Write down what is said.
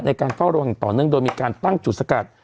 ในการเฝ้าระวังอย่างต่อเนื่องโดยมีการตั้งจุดสกัด